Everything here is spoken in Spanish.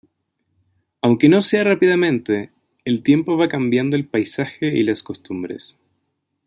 Aunque no sea rápidamente, el tiempo va cambiando el paisaje y las costumbres.